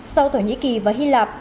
sau thổ nhĩ kỳ và hy lạp